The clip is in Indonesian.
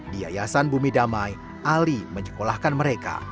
di yayasan bumi damai ali menyekolahkan mereka